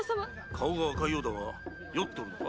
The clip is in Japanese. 顔が赤いようだが酔っておるのか？